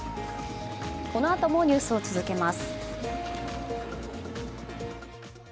このあともニュースを続けます。